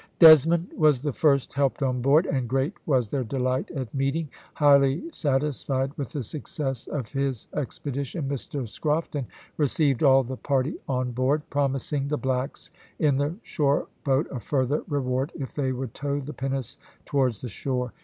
Desmond was the first helped on board, and great was their delight at meeting. Highly satisfied with the success of his expedition, Mr Scrofton received all the party on board, promising the blacks in the shore boat a further reward if they would tow the pinnace towards the shore.